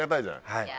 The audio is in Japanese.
はい。